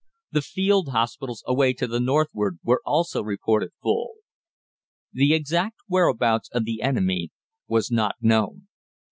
The field hospitals away to the northward were also reported full. The exact whereabouts of the enemy was not known.